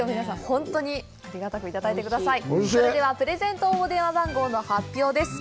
本当にありがたくいただいてください。